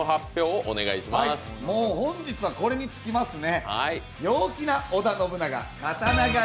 本日はこれに尽きますね。